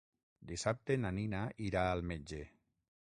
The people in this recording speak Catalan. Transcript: Dissabte na Nina irà al metge.